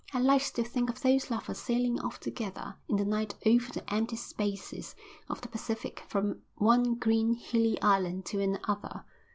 I liked to think of those lovers sailing off together in the night over the empty spaces of the Pacific from one green, hilly island to another.